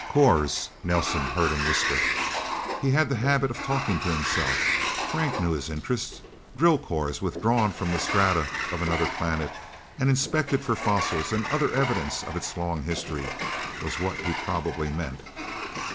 "Cores," Nelsen heard him whisper. He had the habit of talking to himself. Frank knew his interests. Drill cores withdrawn from the strata of another planet, and inspected for fossils and other evidences of its long history, was what he probably meant.